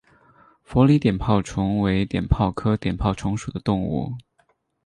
佛理碘泡虫为碘泡科碘泡虫属的动物。